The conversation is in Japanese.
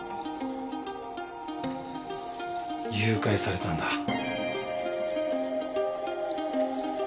誘拐されたんだ。